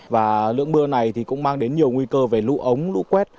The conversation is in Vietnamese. và lượng mưa này thì cũng mang đến nhiều nguy cơ về lũ ống lũ quét